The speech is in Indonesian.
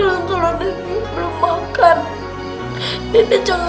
sambil berani untuk masuk ke gereja lainnya